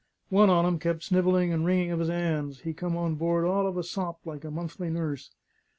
One on 'em kep' snivelling and wringing of his 'ands; he come on board all of a sop like a monthly nurse.